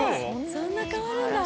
そんな変わるんだ。